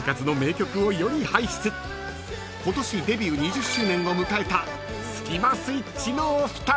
［今年デビュー２０周年を迎えたスキマスイッチのお二人］